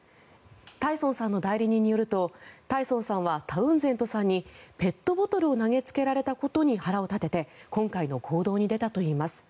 タイソンさんの代理人によるとタイソンさんはタウンゼントさんにペットボトルを投げつけられたことに腹を立てて今回の行動に出たといいます。